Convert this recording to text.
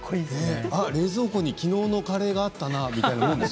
冷蔵庫にきのうのカレーがあったなみたいな感じで。